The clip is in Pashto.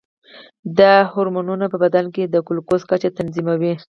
دا هورمونونه په بدن کې د ګلوکوز کچه تنظیموي.